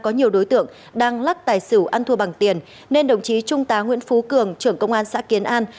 có nhiều đối tượng đang lắc tài xỉu ăn thua bằng tiền nên đồng chí trung tá nguyễn phú cường trưởng công an xã kiến an